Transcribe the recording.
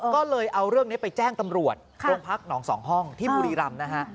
ก็เลยเอาเรื่องนี้ไปแจ้งตำรวจโรงพักหนองสองห้องที่บุรีรำนะฮะ